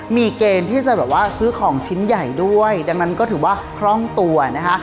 มีเกณฑ์ที่จะแบบว่าซื้อของชิ้นใหญ่ด้วยดังนั้นก็ถือว่าคล่องตัวนะคะ